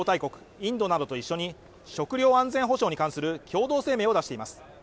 インドなどと一緒に食糧安全保障に関する共同声明を出しています